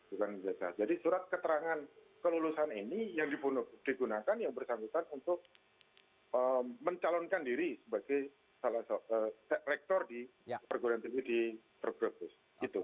bukan ijazah jadi surat keterangan kelulusan ini yang digunakan yang bersangkutan untuk mencalonkan diri sebagai sektor di perguruan teori di perkobus